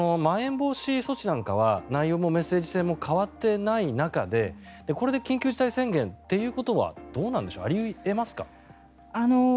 まん延防止措置なんかは内容もメッセージ性も変わっていない中でこれで緊急事態宣言ということはどうなんでしょうあり得ますか？